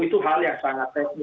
itu hal yang sangat teknis